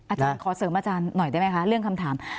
อาจารย์ขอเสริมอาจารย์หน่อยได้ไหมคะเรื่องคำถาม